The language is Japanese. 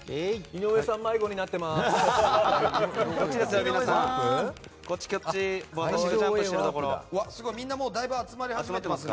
井上さん迷子になってまーす！